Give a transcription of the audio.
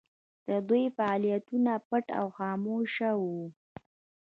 د دوی فعالیتونه پټ او خاموشه وو.